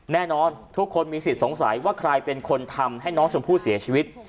แน่นอนทุกคนมีสิทธิ์สงสัยว่าใครเป็นคนทำให้น้องชมพู่เสียชีวิต